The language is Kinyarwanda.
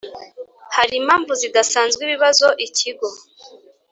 Hari impamvu zidasanzwe ibibazo ikigo